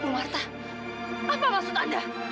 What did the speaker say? mbak marta apa maksud anda